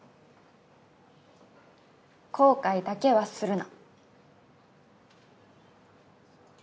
後悔だけはするな。